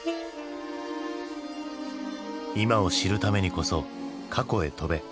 今を知るためにこそ過去へ飛べ。